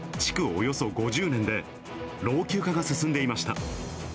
およそ５０年で、老朽化が進んでいました。